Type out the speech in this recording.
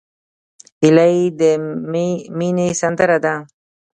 هیلۍ د مینې سندره ده